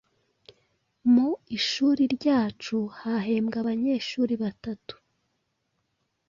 Mu ishuri ryacu hahembwe abanyeshuri batatu.